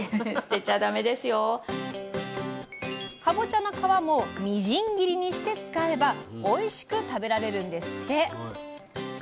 かぼちゃの皮もみじん切りにして使えばおいしく食べられるんですって！